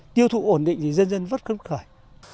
tiêu thụ ổn định thì dân dân vất khớp khởi